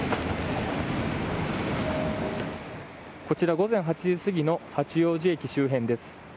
こちら、午前８時過ぎの八王子駅周辺です。